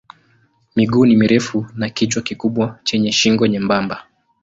Miguu ni mirefu na kichwa kikubwa chenye shingo nyembamba.